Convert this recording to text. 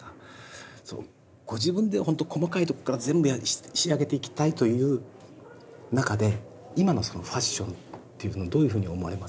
ご自分で本当細かいとこから全部仕上げていきたいという中で今のそのファッションっていうのをどういうふうに思われます？